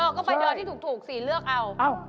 เออก็ไปดอยที่ถูกสิเลือกเอา